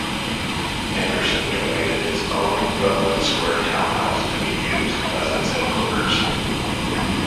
Anderson donated his own Rutland Square townhouse to be used as its headquarters.